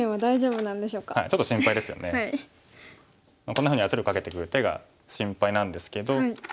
こんなふうに圧力かけてくる手が心配なんですけど。